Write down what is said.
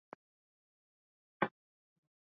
Madhara ya matumizi ya muda mrefu wa dawa hii ya kulevya